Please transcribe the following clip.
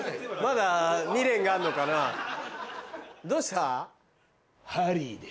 どうした？